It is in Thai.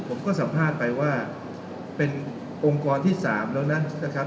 ผมก็สัมภาษณ์ไปว่าเป็นองค์กรที่๓แล้วนะนะครับ